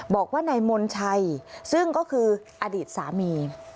บอกว่านายมนชัยซึ่งก็คืออดีตสามี